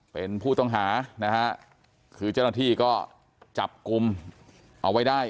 เป็นผู้ต้องหานะฮะคือเจ้าหน้าที่ก็จับกลุ่มเอาไว้ได้